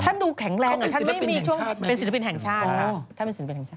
ท่านดูแข็งแรงยังไม่มีช่วงได้สินพินแห่งชาติได้ใช่มั้ย